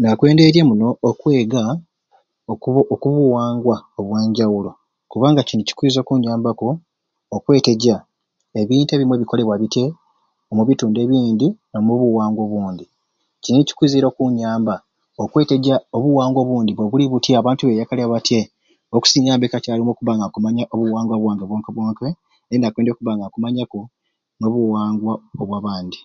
Nakwendiirye muno okwega oku oku buwanga obwanjawulo kubanga kini kikwiza okunyambaku okwetejja ebintu ebimwei omubitundu ebindi n'omubuwangwa obundi kini ni kikwiza era okunyamba okwetejja obuwangwa obundi bo buli butyai abantu eyakalya batyai nokusinga be kakyarumwei okuba nga nkumanya obuwangwa bwange bwonkai bwonkai naye nakubeere nkwendya okuba nga nkumanya ku obuwangwa bwabanadi